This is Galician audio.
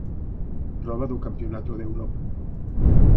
Proba do Campionato de Europa.